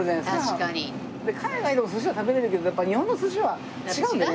海外でも寿司は食べれるけどやっぱ日本の寿司は違うんでね。